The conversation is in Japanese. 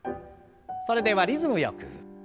それではリズムよく。